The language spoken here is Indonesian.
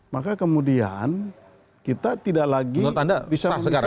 maka kemudian kita tidak lagi bisa misalkan secara